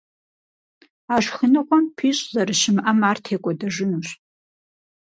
А шхыныгъуэм пищӀ зэрыщымыӀэм ар текӀуэдэжынущ.